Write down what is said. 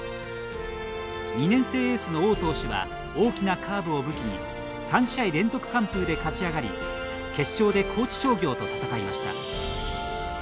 ２年生エースの王投手は大きなカーブを武器に３試合連続完封で勝ち上がり決勝で高知商業と戦いました。